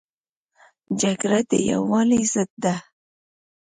جګړه د یووالي ضد ده